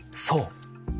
そう。